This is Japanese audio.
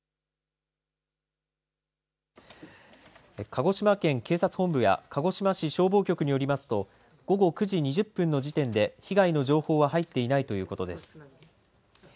鹿児島県警察本部や鹿児島市消防局によりますと、午後９時２０分の時点で被害の情報は入っていないということです。